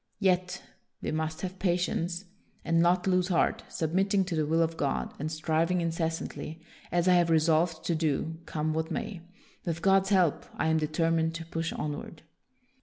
Yet, " we must have patience and not lose heart, submitting to the will of God, and striving incessantly, as I have resolved to do, come what may. With God's help, I am determined to push onward."